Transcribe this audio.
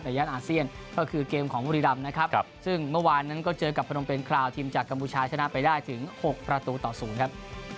ย่านอาเซียนก็คือเกมของบุรีรำนะครับซึ่งเมื่อวานนั้นก็เจอกับพนมเป็นคราวทีมจากกัมพูชาชนะไปได้ถึง๖ประตูต่อ๐ครับ